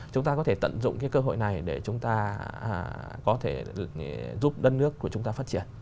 chúng ta có thể tận dụng cái cơ hội này để chúng ta có thể giúp đất nước của chúng ta phát triển